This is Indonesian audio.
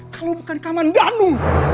kalau bukan kamandano